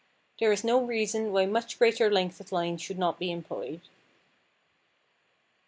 There is no reason why much greater length of line should not be employed.